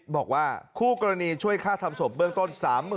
บอกว่าคู่กรณีช่วยค่าทำศพเบื้องต้น๓๐๐๐